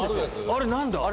あれ何だ？